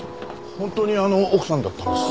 本当にあの奥さんだったんですか？